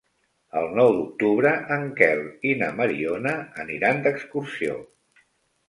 El nou d'octubre en Quel i na Mariona aniran d'excursió.